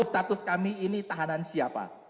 status kami ini tahanan siapa